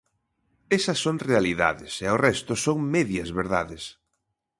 Esas son realidades e o resto son medias verdades.